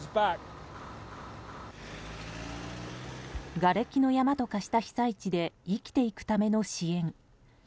がれきの山と化した被災地で生きていくための支援。